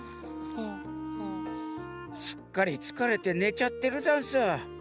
すっかりつかれてねちゃってるざんす。